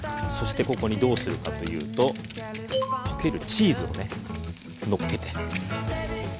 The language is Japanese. そしてここにどうするかというと溶けるチーズをのっけて。